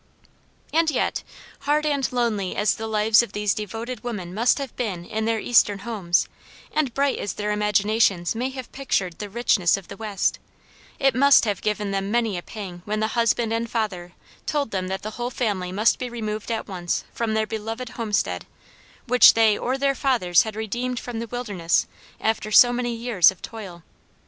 And yet, hard and lonely as the lives of these devoted women must have been in their eastern homes, and bright as their imaginations may have pictured the richness of the West, it must have given them many a pang when the husband and father told them that the whole family must be removed at once from their beloved homestead, which they or their fathers had redeemed from the wilderness after so many years of toil.